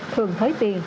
thường thới tiền